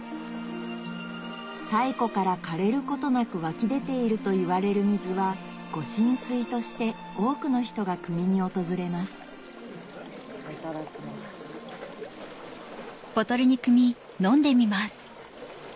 太古から枯れることなく湧き出ているといわれる水は御神水として多くの人が汲みに訪れますいただきます。